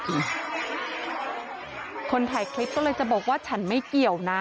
คนถ่ายคลิปก็เลยจะบอกว่าฉันไม่เกี่ยวนะ